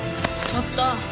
ちょっと。